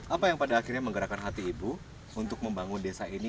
apa yang pada akhirnya menggerakkan hati ibu untuk membangun desa ini